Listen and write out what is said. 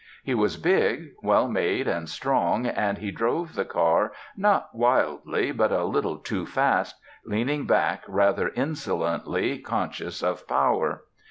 He was big, well made, and strong, and he drove the car, not wildly, but a little too fast, leaning back rather insolently conscious of power.